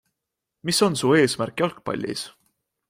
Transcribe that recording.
Mis on su eesmärk jalgpallis?